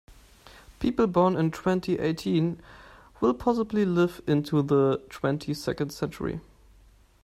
People born in twenty-eighteen will possibly live into the twenty-second century.